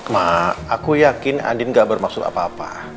mak aku yakin adin gak bermaksud apa apa